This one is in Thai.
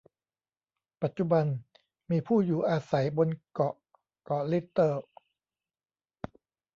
ปัจจุบัน มีผู้อยู่อาศัยบนเกาะเกาะลิตเติล